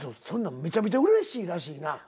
そんなんめちゃめちゃうれしいらしいな。